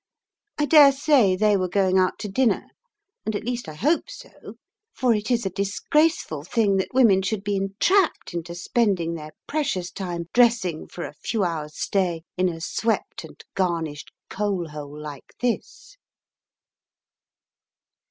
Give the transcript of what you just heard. I dare say they were going out to dinner, and at least I hope so, for it is a disgraceful thing that women should be entrapped into spending their precious time dressing for a few hours' stay in a swept and garnished coal hole like this.